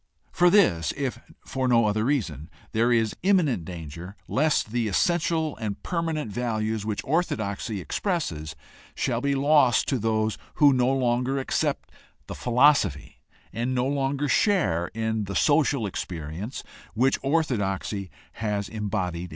For this, if for no other reason, there is imminent danger lest the essential and permanent values which orthodoxy expresses shall be lost to those who no longer accept the philosophy and no longer share in the social experience which orthodoxy has embodied in itself.